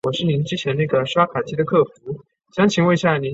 共设四个出入口。